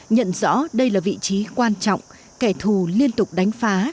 nhận rõ đây là vị trí quan trọng kẻ thù liên tục đánh phá